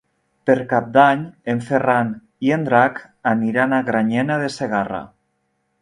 Per Cap d'Any en Ferran i en Drac aniran a Granyena de Segarra.